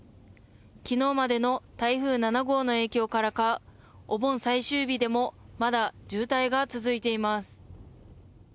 昨日までの台風７号の影響からかお盆最終日でもまだ渋滞が続いています。